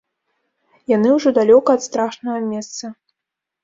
Яны ўжо далёка ад страшнага месца.